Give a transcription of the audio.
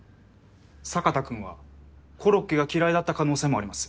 坂田君はコロッケが嫌いだった可能性もあります。